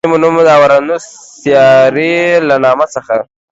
د یوارنیمو نوم د اورانوس سیارې له نامه څخه